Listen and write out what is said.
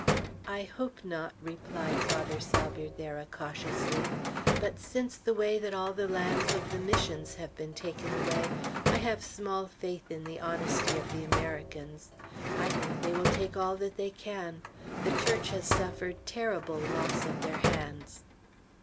"I hope not," replied Father Salvierderra, cautiously; "but since the way that all the lands of the Missions have been taken away, I have small faith in the honesty of the Americans. I think they will take all that they can. The Church has suffered terrible loss at their hands."